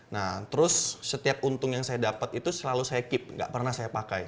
nah terus setiap untung yang saya dapat itu selalu saya keep gak pernah saya pakai